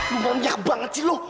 lu banyak banget sih lo